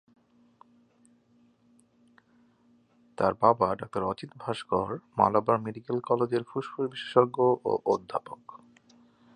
তার বাবা ডাক্তার অজিত ভাস্কর মালাবার মেডিকেল কলেজের ফুসফুস বিশেষজ্ঞ ও অধ্যাপক।